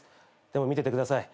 でも見ててください。